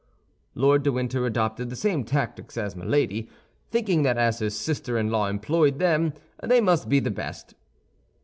Lord de Winter adopted the same tactics as Milady, thinking that as his sister in law employed them they must be the best.